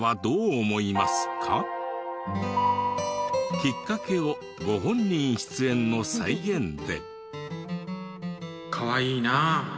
きっかけをご本人出演の再現で。